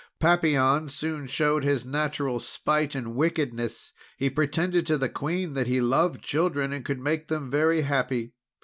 "Papillon soon showed his natural spite and wickedness. He pretended to the Queen that he loved children and could make them very happy.